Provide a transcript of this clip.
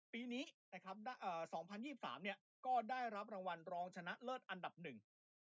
ปีนี้๒๐๒๓เนี่ยได้รับรางวัลรองชนะเลิศอันดับหนึ่ง